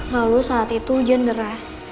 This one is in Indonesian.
lalu saat itu hujan deras